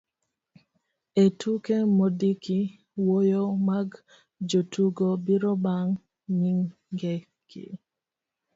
e tuke mondiki, wuoyo mag jotugo biro bang' nying'egi